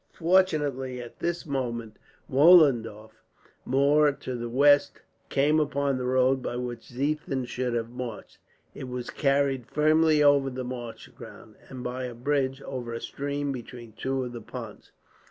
Fortunately at this moment Mollendorf, more to the west, came upon the road by which Ziethen should have marched. It was carried firmly over the marsh ground, and by a bridge over a stream between two of the ponds.